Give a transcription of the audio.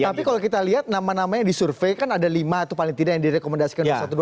tapi kalau kita lihat nama namanya yang disurvey kan ada lima atau paling tidak yang direkomendasikan